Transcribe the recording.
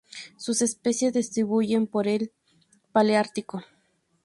Sus especies se distribuyen por el paleártico.